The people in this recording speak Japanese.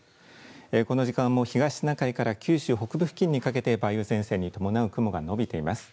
この時間も東シナ海から九州北部付近にかけて梅雨前線に伴う雲が延びています。